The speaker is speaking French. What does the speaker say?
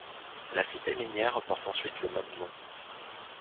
La cité minière porte ensuite le même nom.